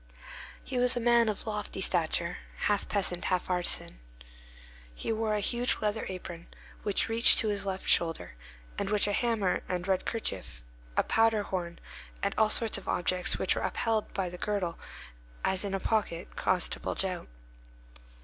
He was a man of lofty stature, half peasant, half artisan. He wore a huge leather apron, which reached to his left shoulder, and which a hammer, a red handkerchief, a powder horn, and all sorts of objects which were upheld by the girdle, as in a pocket, caused to bulge out.